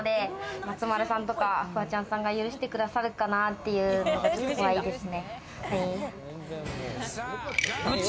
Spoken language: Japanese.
松丸さんとかフワちゃんさんが許してくださるかなっていうので怖いですね。